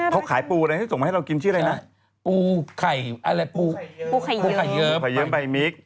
เขาขายปูอะไรที่ส่งมาให้เรากินชื่ออะไรนะปูไข่เยิ้มปูไข่เยิ้มไปมิ๊ก